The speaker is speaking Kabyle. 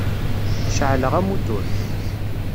Ceεleɣ amutur.